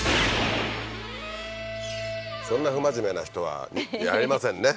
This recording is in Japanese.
そんな不真面目な人はやれませんね。